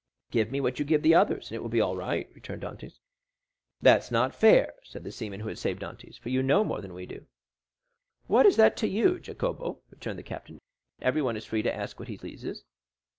"Give me what you give the others, and it will be all right," returned Dantès. "That's not fair," said the seaman who had saved Dantès; "for you know more than we do." "What is that to you, Jacopo?" returned the Captain. "Everyone is free to ask what he pleases."